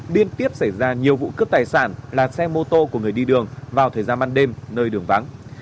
liên tiếp xảy ra nhiều vụ cướp tài sản là xe mô tô của người đi đường vào thời gian ban đêm nơi đường vắng